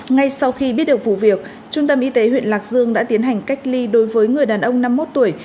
ngay sau khi biết được vụ việc trung tâm y tế huyện lạc dương đã tiến hành cách ly đối với người đàn ông năm mươi một tuổi